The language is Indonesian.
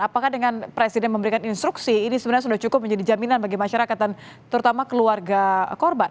apakah dengan presiden memberikan instruksi ini sebenarnya sudah cukup menjadi jaminan bagi masyarakat dan terutama keluarga korban